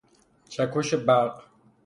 چکش برق